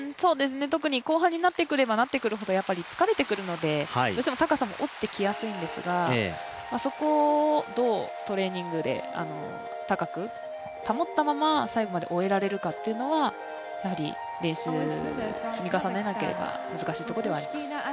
特に後半になってくれば、なってくるほど、疲れてくるので、どうしても高さも落ちてきやすいんですがそこをどうトレーニングで高く保ったまま、最後まで終えられるかというのは練習を積み重ねなければ難しいところではあります。